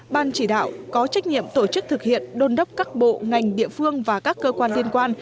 ban chỉ đạo có trách nhiệm tổ chức thực hiện đôn đốc các bộ ngành địa phương và các cơ quan liên quan